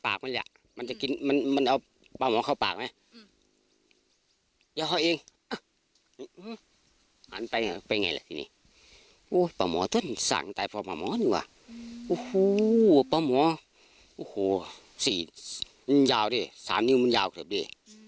แล้วเขาทำท่าทางยังไง